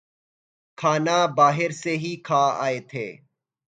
کھانا باہر سے ہی کھا آئے تھے